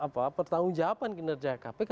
pertanggung jawaban kinerja kpk